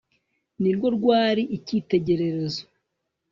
ni rwo rwari ikitegererezo